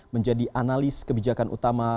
menjadi analis kebijakan utama